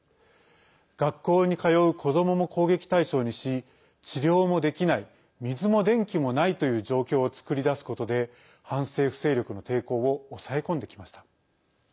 学校に通う子どもも攻撃対象にし治療もできない水も電気もないという状況を作り出すことで反政府勢力の抵抗を抑え込んできました。